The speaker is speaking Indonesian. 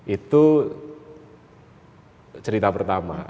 itu cerita pertama